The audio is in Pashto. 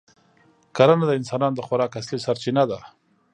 کرنه د انسانانو د خوراک اصلي سرچینه ده.